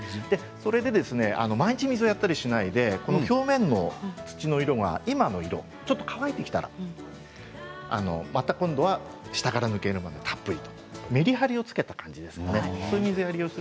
毎日、水をやったりしないで表面の土の色が今の色ちょっと乾いてきたらまた下から水が抜けるまでたっぷりとめりはりをつけることが大事です。